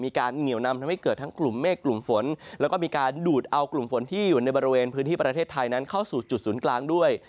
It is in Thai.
เหนียวนำทำให้เกิดทั้งกลุ่มเมฆกลุ่มฝนแล้วก็มีการดูดเอากลุ่มฝนที่อยู่ในบริเวณพื้นที่ประเทศไทยนั้นเข้าสู่จุดศูนย์กลางด้วย